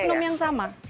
oknum yang sama